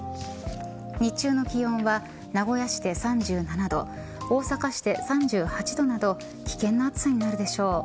日中の気温は名古屋市で３７度大阪市で３８度など危険な暑さになるでしょう。